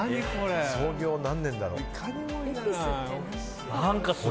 創業何年だろ。